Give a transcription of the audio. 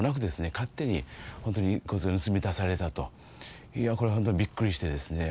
勝手にホントに遺骨が盗み出されたといやこれはホントにびっくりしてですね